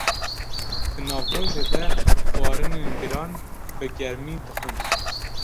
Di navrojê de xwarinên giran, bi germî dixwin.